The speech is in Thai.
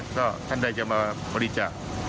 ก็ท่านใดจะมาบริจาค